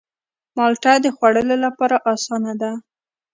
مالټه د خوړلو لپاره آسانه ده.